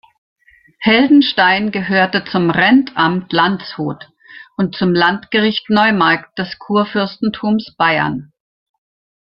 Heldenstein gehörte zum Rentamt Landshut und zum Landgericht Neumarkt des Kurfürstentums Bayern.